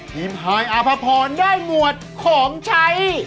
ฮายอาภพรได้หมวดของใช้